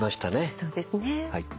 そうですね。